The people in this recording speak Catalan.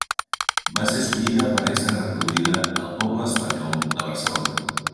Va ser escollida per a ésser reproduïda al Poble Espanyol de Barcelona.